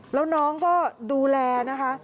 แล้วน้องก็ดูแลนะคะ